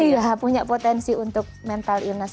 iya punya potensi untuk mental inness